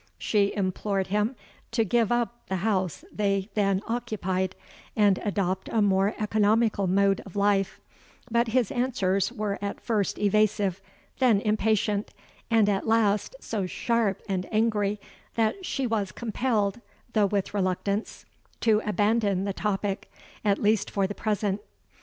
She implored him to give up the house they then occupied, and adopt a more economical mode of life; but his answers were at first evasive—then impatient—and at last so sharp and angry, that she was compelled, though with reluctance, to abandon the topic, at least for the present.